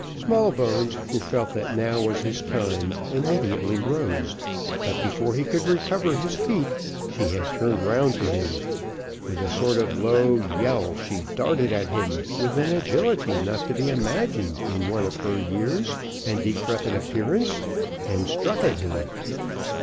Smallbones, who felt that now was his time, immediately rose, but before he could recover his feet, she had turned round to him: with a sort of low yell, she darted at him with an agility not to be imagined in one of her years and decrepit appearance, and struck at him.